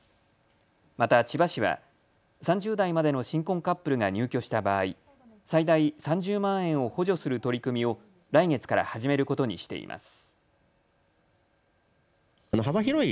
また千葉市は３０代までの新婚カップルが入居した場合、最大３０万円を補助する取り組みを来月から始めることにしています。